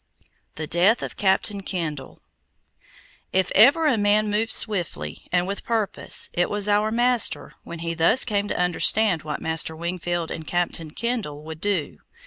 THE DEATH OF CAPTAIN KENDALL If ever a man moved swiftly, and with purpose, it was our master when he thus came to understand what Master Wingfield and Captain Kendall would do.